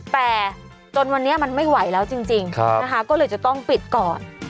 แต่จนวันนี้มันไม่ไหวแล้วจริงนะคะก็เลยจะต้องปิดก่อน